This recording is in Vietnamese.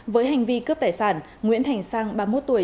với hành vi cướp tài sản nguyễn thành sang ba mươi một tuổi